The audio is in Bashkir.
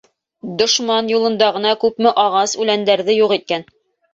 Дошман юлында ғына күпме ағас, үләндәрҙе юҡ иткән.